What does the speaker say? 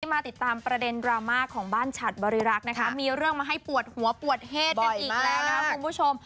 มาติดตามประเด็นดราม่าของบ้านฉัดบริรักษ์นะคะมีเรื่องมาให้ปวดหัวปวดเหตุกันอีกแล้วนะคะคุณผู้ชม